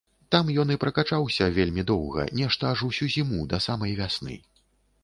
Там ён і пракачаўся вельмі доўга, нешта аж усю зіму, да самай вясны.